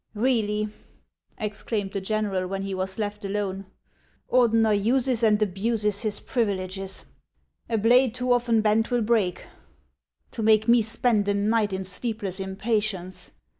" Really," exclaimed the general when he was left alone, " Ordener uses and abuses his privileges. A blade too often bent will break. To make me spend a night in sleepless impatience